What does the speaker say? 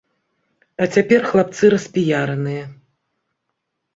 А цяпер хлапцы распіяраныя.